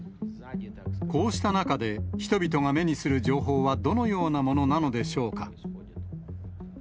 こうした中で、人々が目にする情報はどのようなものなのでしょうか。